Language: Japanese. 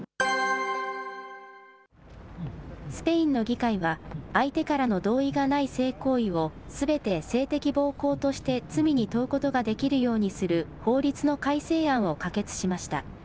スペインの議会は、相手からの同意がない性行為を、すべて性的暴行として罪に問うことができるようにする法律の改正案を可決しました。